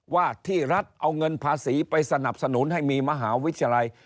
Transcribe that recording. ว่าที่รัฐเอาเงินภาษีไปสนับสนุนให้มีมหาวิทยาลัย